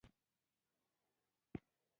د نني وخت مطابق به سبا هم کار شروع کوو